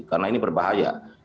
karena ini berbahaya